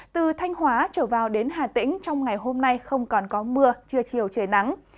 từ thanh hóa trở vào đến hà tĩnh trong ngày hôm nay không còn có mưa trưa chiều trời nắng